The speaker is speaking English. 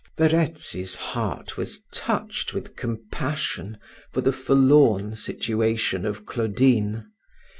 Verezzi's heart was touched with compassion for the forlorn situation of Claudine.